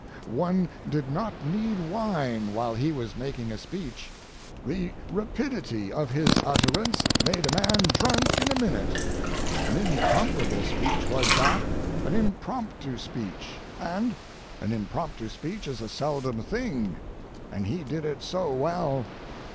One did not need wine while he was making a speech. The rapidity of his utterance made a man drunk in a minute. An incomparable speech was that, an impromptu speech, and—an impromptu speech is a seldom thing, and he did it so well.